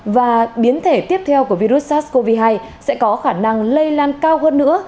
và biến thể tiếp theo của virus sars cov hai sẽ có khả năng lây lan cao hơn nữa